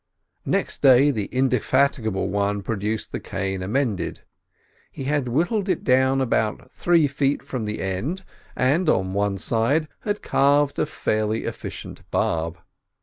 Next day the indefatigable one produced the cane amended; he had whittled it down about three feet from the end and on one side, and carved a fairly efficient barb.